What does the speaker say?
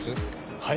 はい？